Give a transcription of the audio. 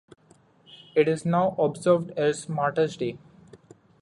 It is now observed as Martyrs' Day.